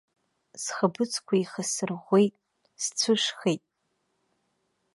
Схаԥыцқәа еихасырӷәӷәеит, сцәышхеит.